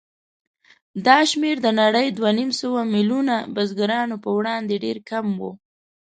دا شمېر د نړۍ دوهنیمسوه میلیونه بزګرانو په وړاندې ډېر کم و.